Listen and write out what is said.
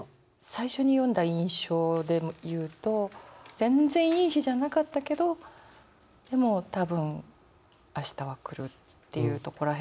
最初に読んだ印象で言うと全然いい日じゃなかったけどでも「たぶん明日はくる」っていうとこら